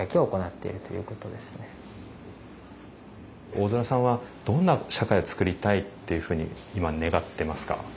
大空さんはどんな社会をつくりたいというふうに今願ってますか？